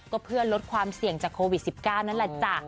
ก็เพื่อลดความเสี่ยงจากโควิด๑๙นั่นแหละจ้ะ